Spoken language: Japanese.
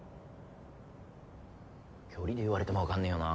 距離で言われてもわかんねぇよな。